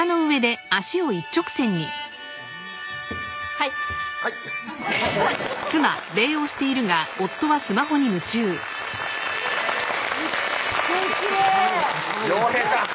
はいはい陽平さん